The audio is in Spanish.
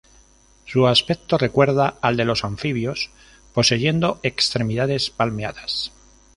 Su aspecto recuerda al de los anfibios, poseyendo extremidades palmeadas.